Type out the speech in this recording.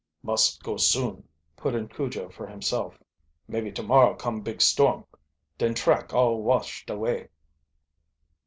"Must go soon," put in Cujo for himself. "Maybe tomorrow come big storm den track all washed away."